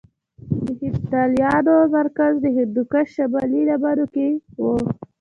د هېپتاليانو مرکز د هندوکش شمالي لمنو کې کې وو